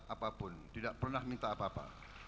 apapun tidak pernah minta apa apa